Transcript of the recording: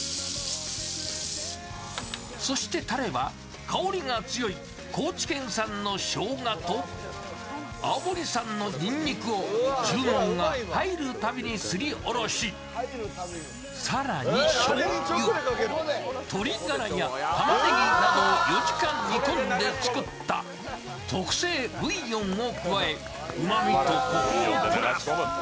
そして、たれは香りが強い高知県産の生姜と青森産のにんにくを注文が入るたびにすりおろし、更にしょうゆ、鶏ガラや玉ねぎなどを４時間煮込んで作った特製ブイヨンを加え、うまみとコクをプラス。